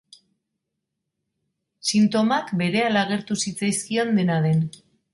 Sintomak berehala agertu zitzaizkion, dena den.